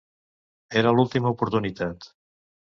Era l'última oportunitat...